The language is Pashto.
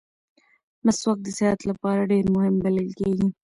مسواک د صحت لپاره ډېر مهم بلل کېږي.